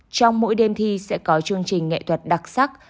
trong mỗi đêm thi sẽ có chương trình nghệ thuật đặc sắc